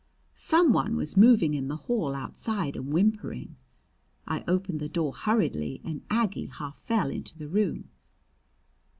Some one was moving in the hall outside and whimpering. I opened the door hurriedly and Aggie half fell into the room.